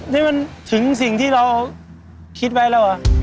นี่มันถึงสิ่งที่เรา